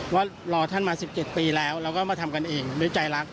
ว่ารอท่านมา๑๗ปีแล้วแล้วก็มาทำกันเองด้วยใจรัก